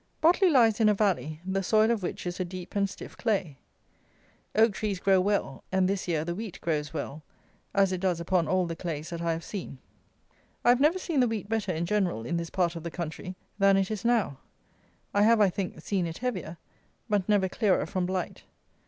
Botley lies in a valley, the soil of which is a deep and stiff clay. Oak trees grow well; and this year the wheat grows well, as it does upon all the clays that I have seen. I have never seen the wheat better in general, in this part of the country, than it is now. I have, I think, seen it heavier; but never clearer from blight.